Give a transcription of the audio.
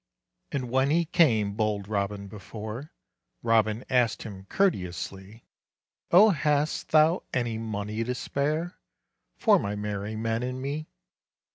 And when he came bold Robin before, Robin asked him courteously, "Oh, hast thou any money to spare, For my merry men and me?"